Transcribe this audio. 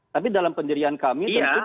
tapi dalam pendirian kami tentu